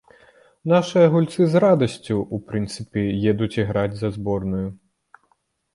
Нашыя гульцы з радасцю, у прынцыпе, едуць іграць за зборную.